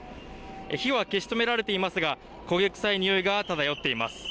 火は消し止められていますが焦げ臭いにおいが漂っています。